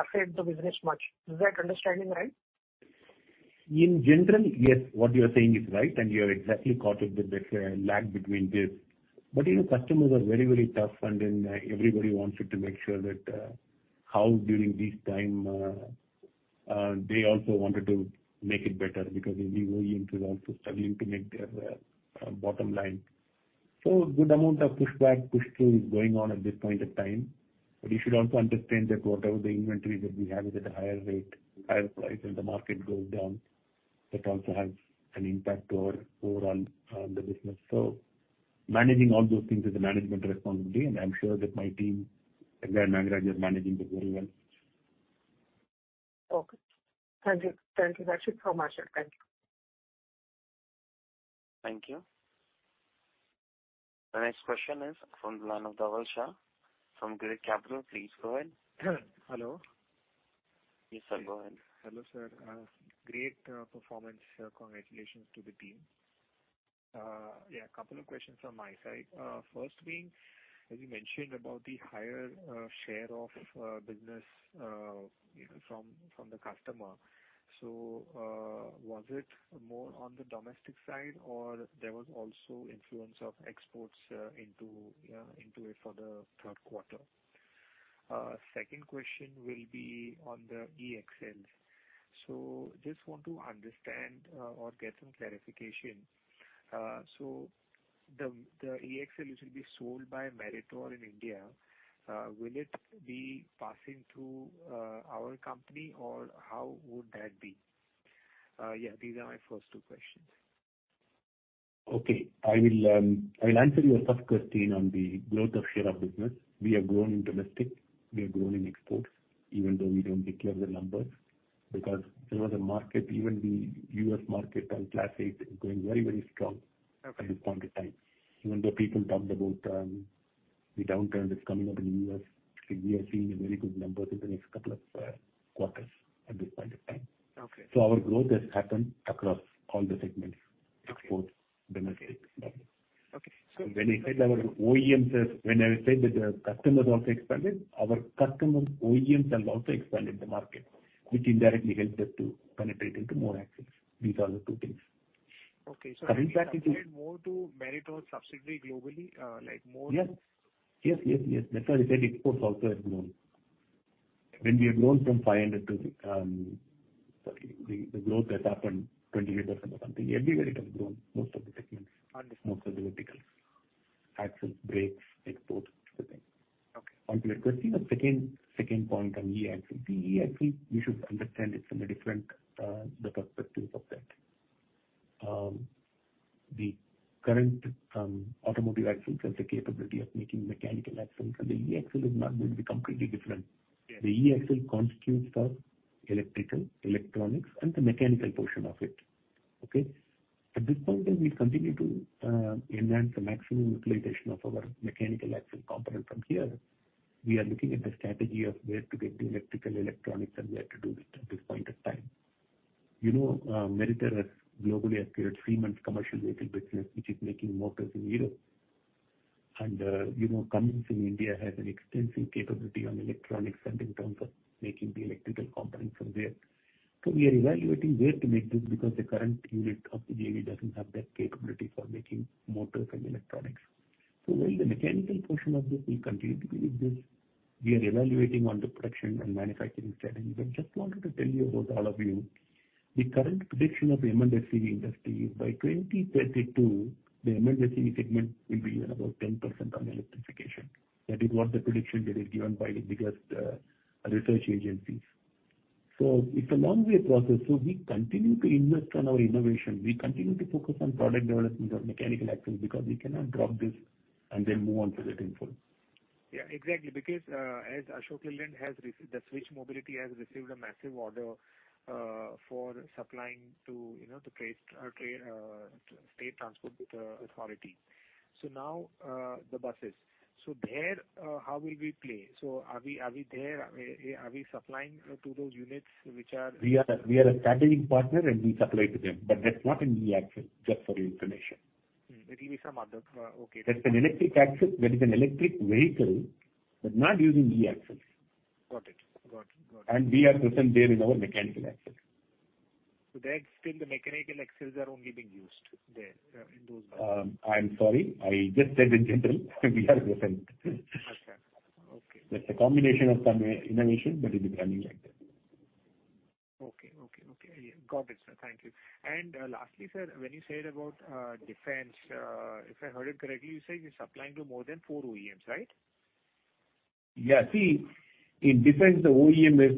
affect the business much. Is that understanding right? In general, yes, what you are saying is right, and you have exactly caught it, the lag between this. But, you know, customers are very, very tough, and then everybody wants you to make sure that during this time they also wanted to make it better, because the OEM is also struggling to make their bottom line. So good amount of pushback, push through is going on at this point of time. But you should also understand that whatever the inventory that we have is at a higher rate, higher price, and the market goes down, that also has an impact to our overall, the business. So managing all those things is a management responsibility, and I'm sure that my team again is managing it very well. Okay. Thank you. Thank you, actually, so much, sir. Thank you. Thank you. The next question is from the line of Dhaval Shah from Girik Capital. Please go ahead. Hello. Yes, sir, go ahead. Hello, sir. Great performance. Congratulations to the team. Yeah, a couple of questions from my side. First being, as you mentioned about the higher share of business, you know, from the customer. So, was it more on the domestic side, or there was also influence of exports into it for the third quarter? Second question will be on the E-axles. So just want to understand or get some clarification. So the E-axle which will be sold by Meritor in India, will it be passing through our company, or how would that be? Yeah, these are my first two questions. Okay. I will, I will answer your first question on the growth of share of business. We have grown in domestic, we have grown in exports, even though we don't declare the numbers, because there was a market, even the U.S. market on classic, growing very, very strong. Okay. -at this point in time. Even though people talked about, the downturn that's coming up in the U.S., we are seeing a very good numbers in the next couple of, quarters at this point in time. Okay. Our growth has happened across all the segments. Okay. -exports, domestic. Okay, so- When you said our OEMs, when I said that the customers also expanded, our customers, OEMs, have also expanded the market, which indirectly helped us to penetrate into more axles. These are the two things. Okay, so- Coming back to the- More to Meritor subsidiary globally, like more- Yes. Yes, yes, yes. That's why I said exports also has grown. When we have grown from 500 to, the growth that happened, 28% or something, everywhere it has grown, most of the segments- Understood. Most of the verticals, axles, brakes, exports, everything. Okay. On to your question, the second, second point on E-axle. The E-axle, you should understand it from a different, the perspectives of that. The current, automotive axles has the capability of making mechanical axles, and the E-axle is not going to be completely different. Yeah. The E-axle constitutes the electrical, electronics, and the mechanical portion of it. Okay? At this point in time, we continue to enhance the maximum utilization of our mechanical axle component. From here, we are looking at the strategy of where to get the electrical, electronics, and where to do it at this point of time. You know, Meritor has globally acquired Siemens commercial vehicle business, which is making motors in Europe. And, you know, Cummins in India has an extensive capability on electronics and in terms of making the electrical components from there. So we are evaluating where to make this, because the current unit of the JV doesn't have that capability for making motors and electronics. So while the mechanical portion of this, we continue to release this, we are evaluating on the production and manufacturing strategy. But just wanted to tell you about all of you, the current prediction of the M&HCV industry, is by 2032, the M&HCV segment will be around about 10% on electrification. That is what the prediction that is given by the biggest research agencies. So it's a long way process. So we continue to invest on our innovation. We continue to focus on product developments of mechanical axles, because we cannot drop this and then move on to the info. Yeah, exactly. Because, as Ashok Leyland has received... The Switch Mobility has received a massive order, for supplying to, you know, to the state transport authority. So now, the buses. So there, how will we play? So are we there? Are we supplying to those units which are- We are a strategic partner, and we supply to them, but that's not an E-axle, just for your information. It will be some other, okay. That's an electric axle, that is an electric vehicle, but not using E-axles. Got it. Got it, got it. We are present there in our mechanical axles. So, there still the mechanical axles are only being used there, in those buses? I'm sorry, I just said in general, we are present. Okay. Okay. That's a combination of some innovation that is running right there. Okay, okay, okay. Got it, sir. Thank you. And, lastly, sir, when you said about defense, if I heard it correctly, you said you're supplying to more than four OEMs, right? Yeah. See, in defense, the OEM is,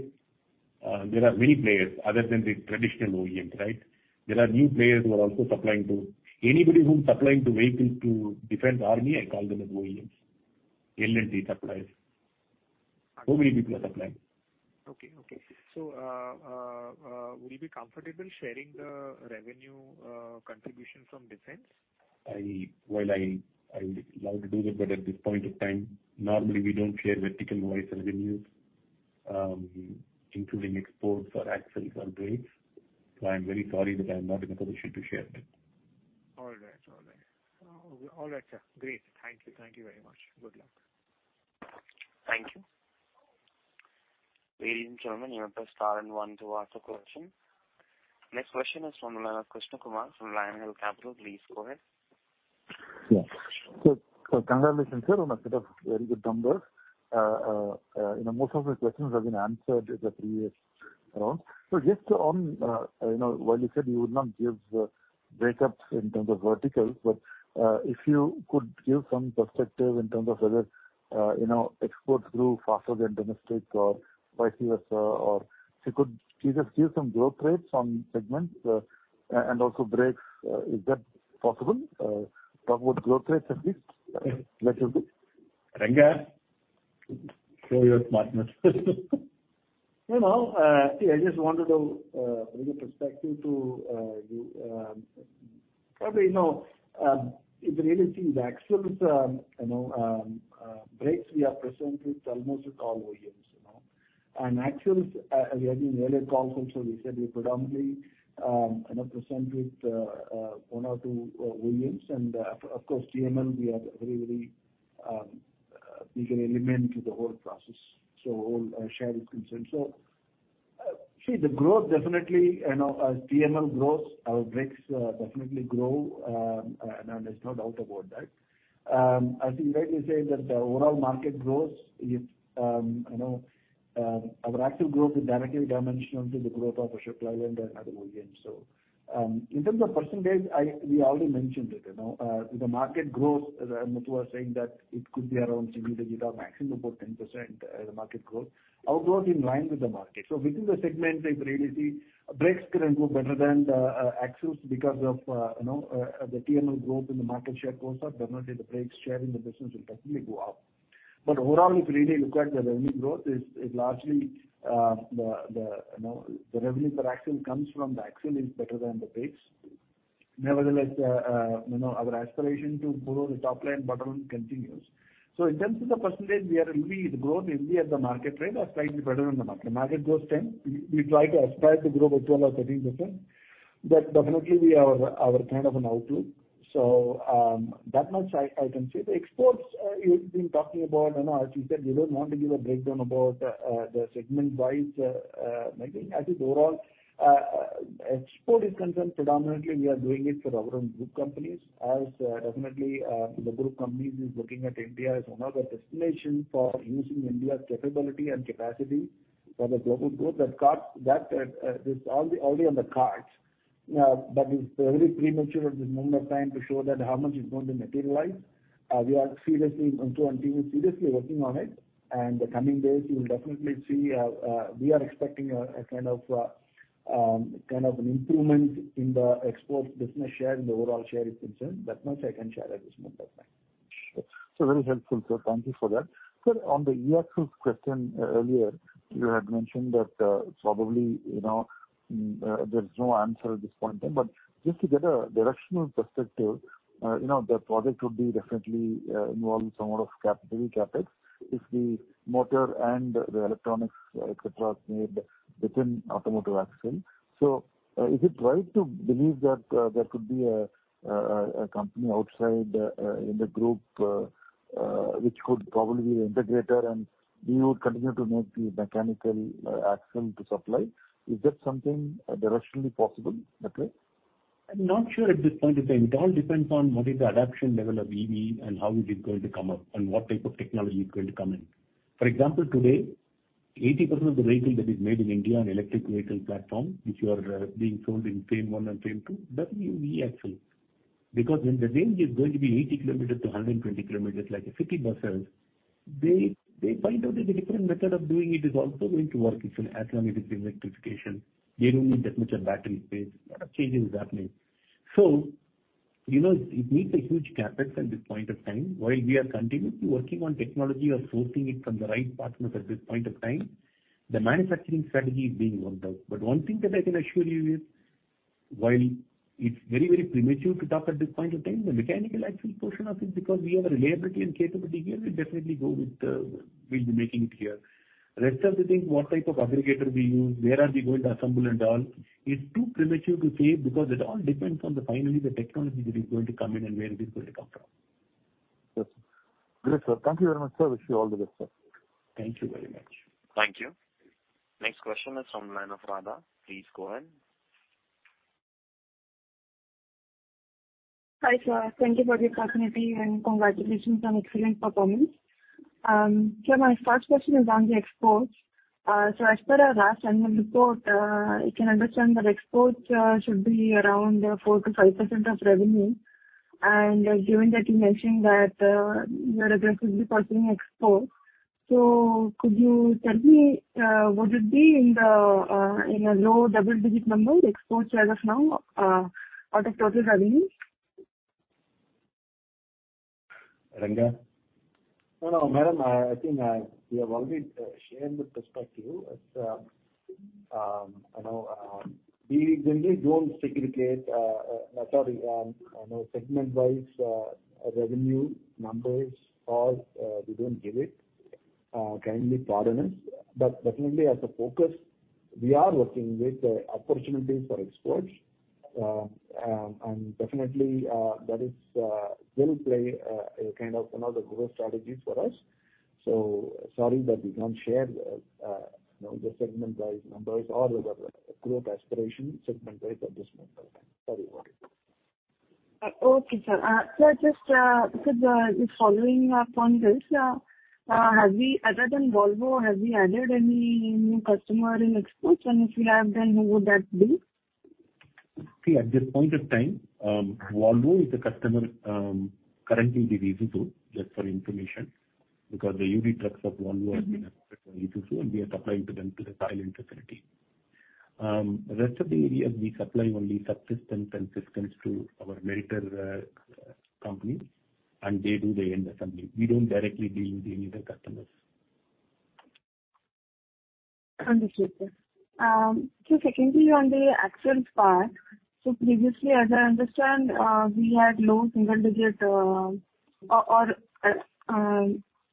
there are many players other than the traditional OEMs, right? There are new players who are also supplying to... Anybody who is supplying to vehicle, to defense army, I call them as OEMs, L&T suppliers. So many people are supplying. Okay, okay. So, will you be comfortable sharing the revenue contribution from defense? Well, I would love to do that, but at this point of time, normally we don't share vertical-wise revenues, including exports or axles or brakes. So I'm very sorry that I'm not in a position to share that. All right, all right. All right, sir. Great. Thank you. Thank you very much. Good luck. Thank you. Ladies and gentlemen, you may press star and one to ask a question. Next question is from the line of Krishna Kumar from Lion Hill Capital. Please go ahead. Yes. So, congratulations, sir, on a set of very good numbers. You know, most of my questions have been answered in the previous-... So just on, you know, while you said you would not give the breakups in terms of verticals, but, if you could give some perspective in terms of whether, you know, exports grew faster than domestic or vice versa, or if you could please just give some growth rates on segments, and, and also breaks, is that possible? Talk about growth rates at least, little bit. Ranga, show your smartness. You know, see, I just wanted to bring a perspective to you, probably, you know, if you really see the axles, you know, brakes, we are present in almost all volumes, you know. And axles, as we had in earlier calls also, we said we predominantly, you know, present in one or two volumes. And of course, TML, we are very, very big element to the whole process, so all share is concerned. So, see, the growth, definitely, you know, as TML grows, our brakes definitely grow, and there's no doubt about that. I think right to say that the overall market growth is, you know, our axle growth is directly dimensional to the growth of our supplier and other volumes. So, in terms of percentage, we already mentioned it, you know. The market growth, as Muthu was saying, that it could be around single digit or maximum about 10%, the market growth. Our growth in line with the market. So within the segment, if you really see, brakes can improve better than the, axles because of, you know, the TML growth in the market share goes up, definitely the brakes share in the business will definitely go up. But overall, if you really look at the revenue growth, is largely, the, you know, the revenue per axle comes from the axle is better than the brakes. Nevertheless, you know, our aspiration to grow the top line bottom continues. So in terms of the percentage, we are really the growth, really at the market rate or slightly better than the market. The market grows 10, we try to aspire to grow by 12 or 13%. That definitely we are our kind of an outlook. So, that much I can say. The exports you've been talking about, you know, as you said, we don't want to give a breakdown about, the segment-wise, maybe. I think overall, export is concerned, predominantly, we are doing it for our own group companies, as definitely, the group companies is looking at India as another destination for using India's capability and capacity for the global growth. That, is already on the cards. But it's very premature at this moment of time to show that how much is going to materialize. We are seriously, and continue seriously working on it, and the coming days, you'll definitely see, we are expecting a kind of an improvement in the export business share and the overall share is concerned. That much I can share at this point of time. Sure. So very helpful, sir. Thank you for that. Sir, on the E-axle question earlier, you had mentioned that, probably, you know, there's no answer at this point in time. But just to get a directional perspective, you know, the project would be definitely involve somewhat of capital CapEx, if the motor and the electronics, et cetera, is made within automotive axle. So, is it right to believe that, there could be a company outside, in the group, which could probably be integrator and you would continue to make the mechanical axle to supply? Is that something directionally possible, that way? I'm not sure at this point in time. It all depends on what is the adaptation level of EV and how is it going to come up and what type of technology is going to come in. For example, today, 80% of the vehicle that is made in India on electric vehicle platform, which are being sold in FAME 1 and FAME 2, that's an EV axle. Because when the range is going to be 80 kilometers to 120 kilometers, like a city buses, they, they find out that the different method of doing it is also going to work, as long as it is electrification. They don't need that much a battery space. A lot of changes is happening. So you know, it needs a huge CapEx at this point of time. While we are continuously working on technology or sourcing it from the right partners at this point of time, the manufacturing strategy is being worked out. But one thing that I can assure you is, while it's very, very premature to talk at this point in time, the mechanical actual portion of it, because we have a reliability and capability here, we definitely go with, we'll be making it here. Rest of the things, what type of aggregator we use, where are we going to assemble it all, it's too premature to say because it all depends on, finally, the technology that is going to come in and where is it going to come from. Yes. Great, sir. Thank you very much, sir. Wish you all the best, sir. Thank you very much. Thank you. Next question is from the line of Radha. Please go ahead. Hi, sir. Thank you for the opportunity, and congratulations on excellent performance. So my first question is on the exports. So as per our last annual report, you can understand that exports should be around 4%-5% of revenue. And given that you mentioned that, your address will be continuing export, so could you tell me, would it be in a low double-digit number, the export share as of now, out of total revenue? Ranga? No, no, madam, I think we have already shared the perspective. As you know, we generally don't segregate sorry you know segment-wise revenue numbers, or we don't give it. Kindly pardon us, but definitely as a focus, we are working with opportunities for exports. And definitely, that is will play a kind of another growth strategy for us. So sorry that we can't share you know the segment-wise numbers or the growth aspiration, segment-wise at this point in time. Sorry about it.... Okay, sir. So just following up on this, have we, other than Volvo, have we added any new customer in exports? And if we have, then who would that be? See, at this point of time, Volvo is a customer, currently with E2E, just for information, because the UD Trucks of Volvo has been acquired from E2E, and we are supplying to them to the Thailand facility. Rest of the areas, we supply only subsystems and systems to our Meritor companies, and they do the end assembly. We don't directly deal with the end customers. Understood, sir. So secondly, on the axles part, so previously, as I understand, we had low single digit or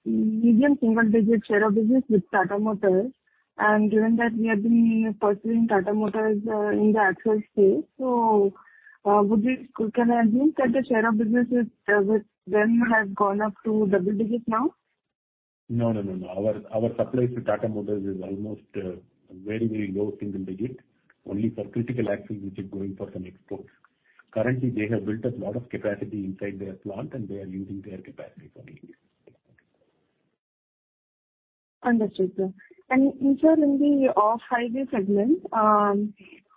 medium single digit share of business with Tata Motors, and given that we have been pursuing Tata Motors in the axles space, so would we—can I assume that the share of business with them has gone up to double digits now? No, no, no, no. Our supply to Tata Motors is almost very, very low single digit, only for critical axles which are going for some exports. Currently, they have built a lot of capacity inside their plant, and they are using their capacity for the same. Understood, sir. And, sir, in the off-highway segment,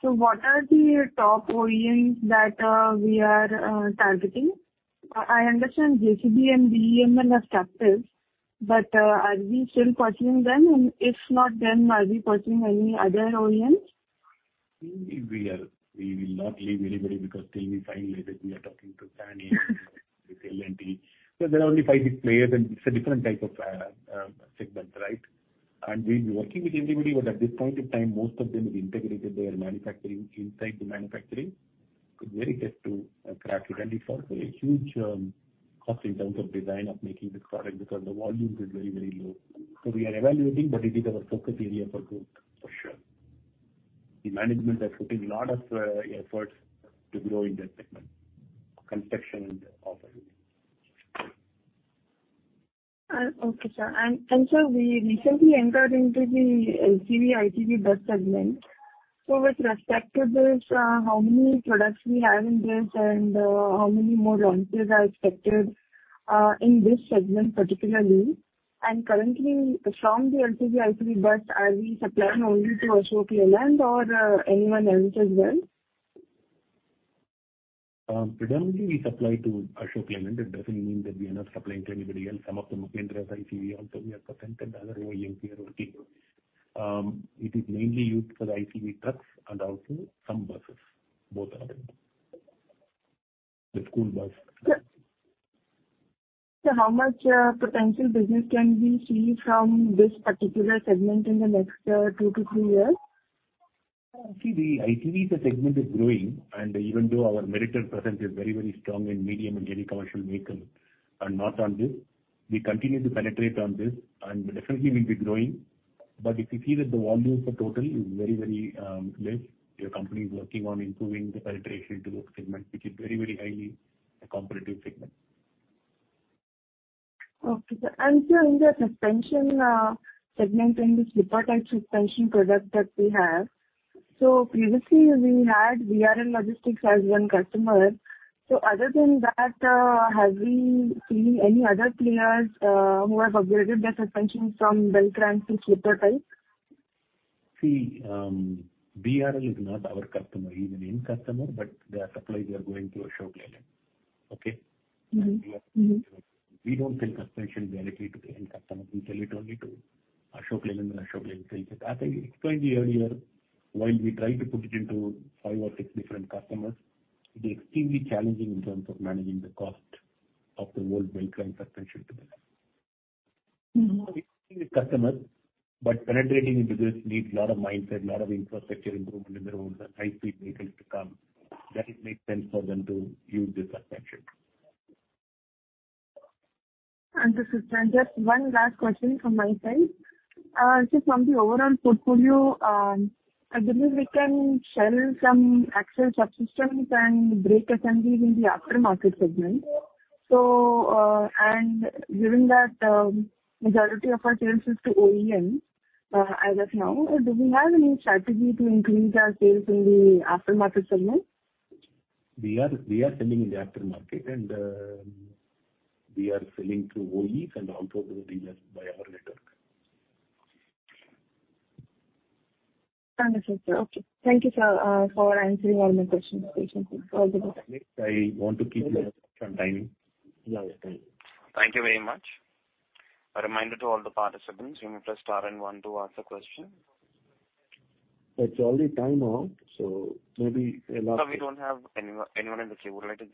so what are the top OEMs that we are targeting? I understand JCB and BEML are captive, but are we still pursuing them? And if not them, are we pursuing any other OEMs? We are... We will not leave anybody because till we finally, that we are talking to Sany, with L&T. So there are only five, six players, and it's a different type of segment, right? And we've been working with everybody, but at this point in time, most of them is integrated. They are manufacturing inside the manufacturing. It's very tough to crack it. And it costs a huge cost in terms of design of making this product, because the volumes is very, very low. So we are evaluating, but it is our focus area for growth, for sure. The management are putting a lot of efforts to grow in that segment, construction and off-highway. Okay, sir. And sir, we recently entered into the LCV, ICV bus segment. So with respect to this, how many products we have in this, and how many more launches are expected in this segment particularly? And currently, from the LCV, ICV bus, are we supplying only to Ashok Leyland or anyone else as well? Predominantly, we supply to Ashok Leyland. It doesn't mean that we are not supplying to anybody else. Some of the Mahindra's ICV also, we are present, and other OEMs we are working with. It is mainly used for the ICV trucks and also some buses, both are there. The school bus. So how much potential business can we see from this particular segment in the next 2-3 years? See, the ICV segment is growing, and even though our Meritor presence is very, very strong in medium and heavy commercial vehicle and not on this, we continue to penetrate on this, and definitely we'll be growing. But if you see that the volumes for total is very, very less, your company is working on improving the penetration into those segments, which is very, very highly competitive segment. Okay, sir. Sir, in the suspension segment, in the slipper-type suspension product that we have, so previously we had VRL Logistics as one customer. Other than that, have we seen any other players who have upgraded their suspension from bell crank to slipper-type? See, VRL is not our customer. He's an end customer, but their suppliers are going through Ashok Leyland, okay? Mm-hmm. Mm-hmm. We don't sell suspension directly to the end customer. We sell it only to Ashok Leyland, and Ashok Leyland sells it. As I explained to you earlier, while we try to put it into five or six different customers, it is extremely challenging in terms of managing the cost of the whole bell crank suspension together. Mm-hmm. With customers, but penetrating into this needs a lot of mindset, a lot of infrastructure improvement in the roads, and high-speed vehicles to come, that it makes sense for them to use this suspension. Understood, sir. Just one last question from my side. So from the overall portfolio, I believe we can sell some axle subsystems and brake assemblies in the aftermarket segment. So, and given that, majority of our sales is to OEM, as of now, do we have any strategy to increase our sales in the aftermarket segment? We are, we are selling in the aftermarket, and we are selling through OEs and also through the dealers by our network. Understood, sir. Okay. Thank you, sir, for answering all my questions patiently. I want to keep some timing. Yeah, yeah, thank you. Thank you very much. A reminder to all the participants, you may press star and one to ask a question. It's already time out, so maybe- We don't have anyone in the queue. Would you like to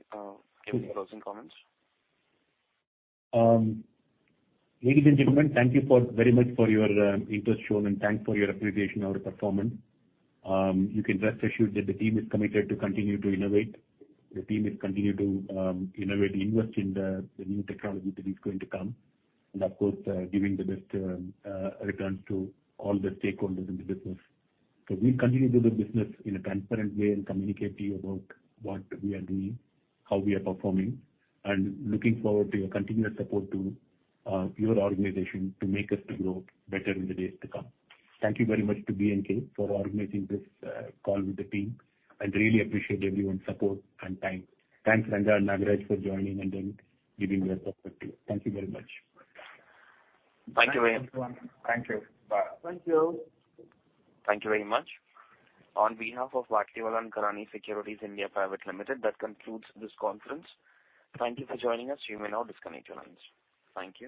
give any closing comments? Ladies and gentlemen, thank you very much for your interest shown, and thanks for your appreciation of our performance. You can rest assured that the team is committed to continue to innovate. The team is continue to innovate, invest in the new technology that is going to come, and of course, giving the best returns to all the stakeholders in the business. So we continue to do business in a transparent way and communicate to you about what we are doing, how we are performing, and looking forward to your continuous support to your organization to make us to grow better in the days to come. Thank you very much to B&K for organizing this call with the team. I really appreciate everyone's support and time. Thanks, Ravi Ranjan and Nagaraja, for joining and then giving your perspective. Thank you very much. Thank you. Thank you. Bye. Thank you. Thank you very much. On behalf of Batlivala & Karani Securities India Private Limited, that concludes this conference. Thank you for joining us. You may now disconnect your lines. Thank you.